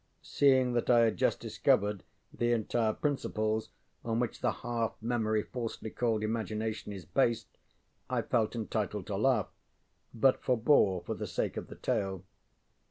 ŌĆØ Seeing that I had just discovered the entire principles upon which the half memory falsely called imagination is based, I felt entitled to laugh, but forbore, for the sake of the tale.